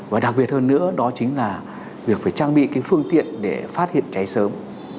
và đặc biệt hơn nữa đó chính là việc phải trang bị cái phương tiện để phát hiện cháy sớm